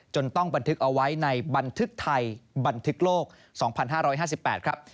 ต้องบันทึกเอาไว้ในบันทึกไทยบันทึกโลก๒๕๕๘ครับ